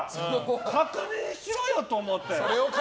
確認しろよと思って。